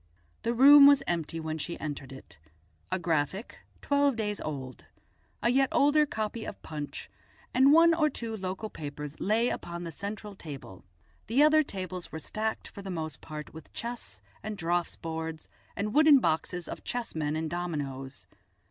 The room was empty when she entered it; a Graphic twelve days old, a yet older copy of Punch, and one or two local papers lay upon the central table; the other tables were stacked for the most part with chess and draughts boards, and wooden boxes of chessmen and dominoes.